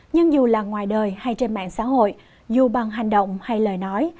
nhưng dù là ngoài đời hay trên mạng xã hội dù bằng hành động hay lời nói